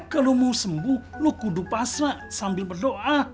kalau mau sembuh lo kudu pasla sambil berdoa